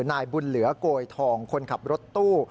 นายบุญเหลือโกยทองคนขับรถตู้